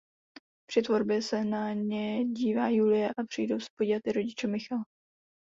Při tvorbě se na ně dívá Julie a přijdou se podívat i rodiče Michala.